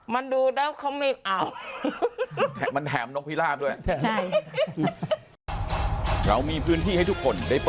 มาดูแล้วเขาไม่เอา